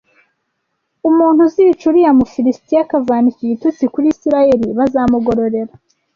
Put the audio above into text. umuntu uzica uriya Mufilisitiya akavana iki gitutsi kuri Isirayeli bazamugororera